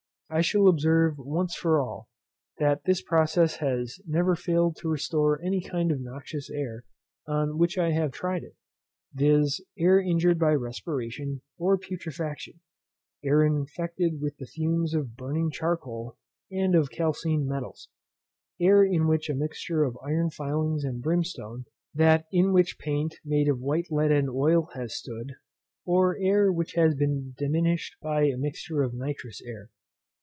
I shall observe once for all, that this process has never failed to restore any kind of noxious air on which I have tried it, viz. air injured by respiration or putrefaction, air infected with the fumes of burning charcoal, and of calcined metals, air in which a mixture of iron filings and brimstone, that in which paint made of white lead and oil has stood, or air which has been diminished by a mixture of nitrous air.